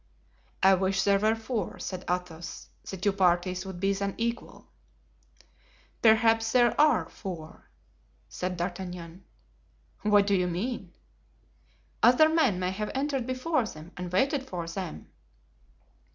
"I wish there were four," said Athos; "the two parties would then be equal." "Perhaps there are four," said D'Artagnan. "What do you mean?" "Other men may have entered before them and waited for them."